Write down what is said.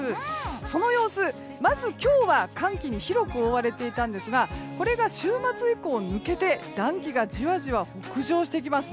その様子、まず今日は寒気に広く覆われていたんですがこれが週末以降抜けて暖気がじわじわ北上してきます。